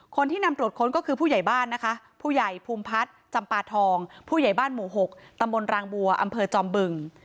คนที่นำตรวจค้นก็คือผู้ใหญ่บ้านนะคะผู้ใหญ่ภูมิพัฒน์จำปาทองผู้ใหญ่บ้านหมู่๖ตำบลรางบัวอำเภอจอมบึง